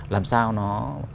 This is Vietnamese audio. làm sao nó